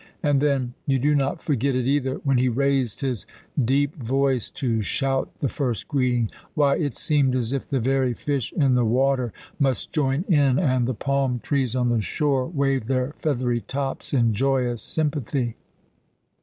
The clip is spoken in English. And then you do not forget it either when he raised his deep voice to shout the first greeting, why, it seemed as if the very fish in the water must join in, and the palm trees on the shore wave their feathery tops in joyous sympathy.